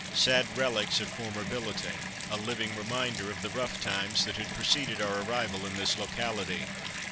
Sad relics of former billeting: a living reminder of the rough times that had preceded our arrival in this locality.